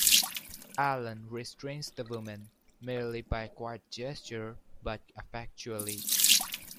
Allan restrains the woman, merely by a quiet gesture, but effectually.